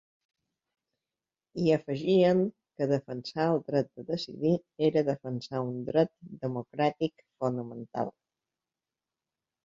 I afegien que defensar el dret de decidir era defensar un dret democràtic fonamental.